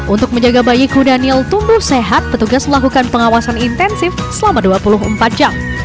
untuk menjaga bayi kudanil tumbuh sehat petugas melakukan pengawasan intensif selama dua puluh empat jam